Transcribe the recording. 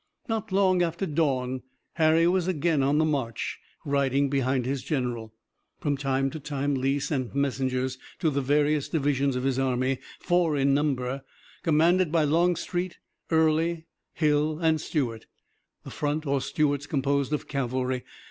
Not long after dawn Harry was again on the march, riding behind his general. From time to time Lee sent messengers to the various divisions of his army, four in number, commanded by Longstreet, Early, Hill and Stuart, the front or Stuart's composed of cavalry.